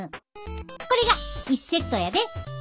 これが１セットやで。